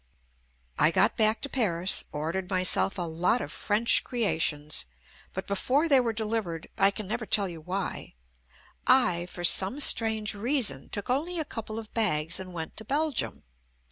I got back to Paris, ordered myself a lot of French creations, but before they were de livered, I can never tell you why, I, for some strange reason, took only a couple of bags and went to Belgium.